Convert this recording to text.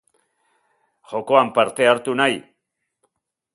Jokoan parte hartu nahi?